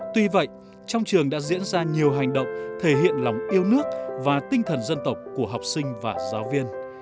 tuy vậy trong trường đã diễn ra nhiều hành động thể hiện lòng yêu nước và tinh thần dân tộc của học sinh và giáo viên